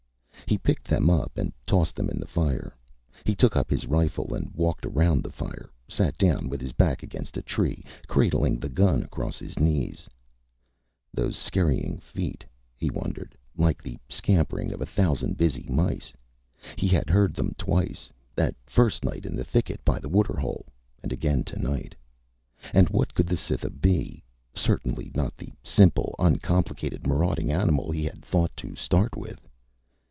He picked them up and tossed them in the fire. He took up his rifle and walked around the fire, sat down with his back against a tree, cradling the gun across his knees. Those little scurrying feet, he wondered like the scampering of a thousand busy mice. He had heard them twice, that first night in the thicket by the waterhole and again tonight. And what could the Cytha be? Certainly not the simple, uncomplicated, marauding animal he had thought to start with.